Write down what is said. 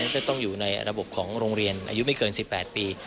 จะต้องอยู่ในระบบของโรงเรียนอายุไม่เกิน๑๘ปี